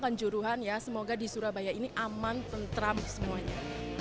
kanjuruhan ya semoga di surabaya ini aman tentram semuanya